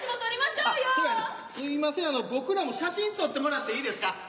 あの僕らも写真撮ってもらっていいですか？